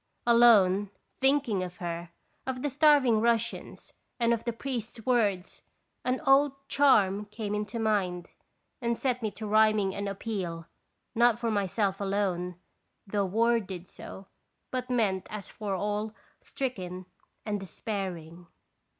Alone, thinking of her, of the starving Russians, and of the priest's words, an old " charm" came into mind, and set me to rhyming an appeal, not for myself alone, though worded so, but meant as for all stricken and despairing.